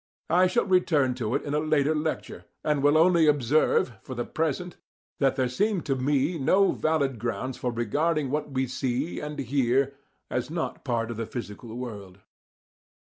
I shall return to it in a later lecture, and will only observe, for the present, that there seem to me no valid grounds for regarding what we see and hear as not part of the physical world.